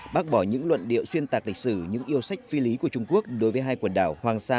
bác bỏ những luận điệu xuyên tạc lịch sử những yêu sách phi lý của trung quốc đối với hai quần đảo hoàng sa